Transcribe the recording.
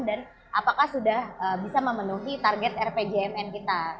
dan apakah sudah bisa memenuhi target rpjmn kita